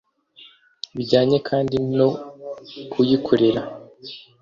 bijyanye kandi no kuyikorera